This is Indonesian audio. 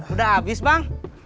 udah habis bang